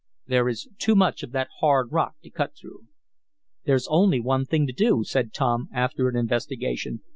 There is too much of that hard rock to cut through." "There's only one thing to do," said Tom, after an investigation.